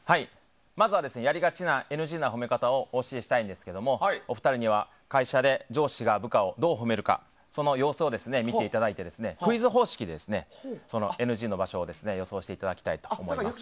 まずはやりがちなＮＧな褒め方を教えたいんですけどお二人には会社で上司が部下をどう褒めるかその様子を見ていただいてクイズ方式でＮＧの場所を予想していただきたいと思います。